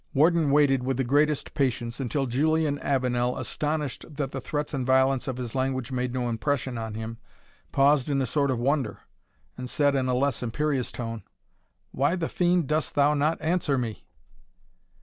Warden waited with the greatest patience until Julian Avenel, astonished that the threats and violence of his language made no impression on him, paused in a sort of wonder, and said in a less imperious tone, "Why the fiend dost thou not answer me?"